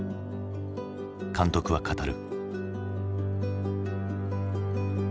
監督は語る。